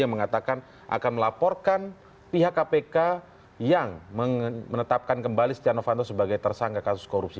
yang mengatakan akan melaporkan pihak kpk yang menetapkan kembali stiano fanto sebagai tersangka kasus korupsi